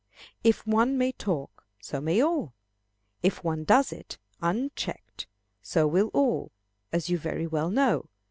If one may talk, so may all; if one does it, unchecked, so will all, as you very well know.